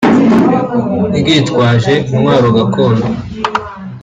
ryitwaje intwaro gakondo